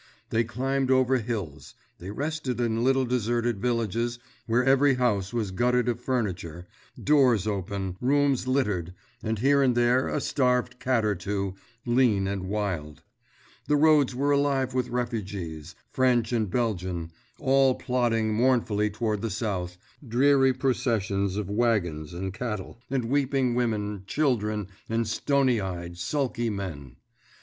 They climbed over hills, they rested in little deserted villages where every house was gutted of furniture, doors open, rooms littered, and here and there a starved cat or two, lean and wild. The roads were alive with refugees, French and Belgian, all plodding mournfully toward the south, dreary processions of wagons and cattle and weeping women, children, and stony eyed, sulky men.